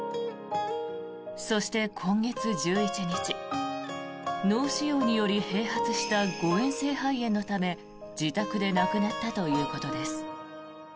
そして、今月１１日脳腫瘍により併発した誤嚥性肺炎のため自宅で亡くなったということです。